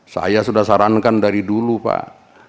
saya sudah sarankan dari dulu pak